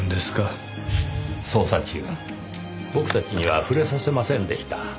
捜査中僕たちには触れさせませんでした。